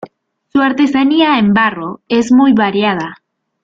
Su artesanía en barro es muy variada.